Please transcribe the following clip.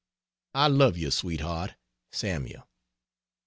I love you, sweetheart. SAML.